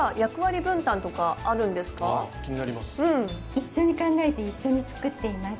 一緒に考えて一緒に作っています。